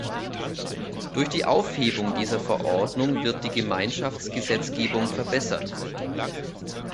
Durch die Aufhebung dieser Verordnung wird die Gemeinschaftsgesetzgebung verbessert.